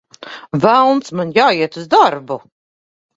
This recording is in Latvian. Velns, man jāiet uz darbu!